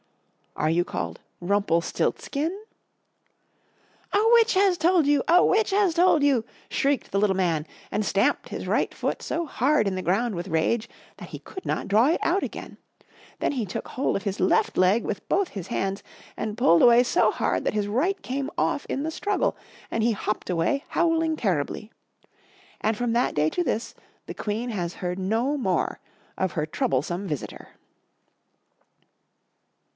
"Are you called Rumpelstiltskin?" "A witch has told you! a witch has told you!" shrieked the little Man, and stamped his right foot so hard in the ground with rage that he could not draw it out again. Then he took hold of his left leg with both his hands, and pulled away so hard that his right came off in the struggle, and he hopped away howling terribly. And from that day to this the Queen has heard no more of her troublesome visitor.